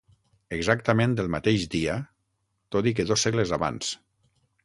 Exactament el mateix dia, tot i que dos segles abans.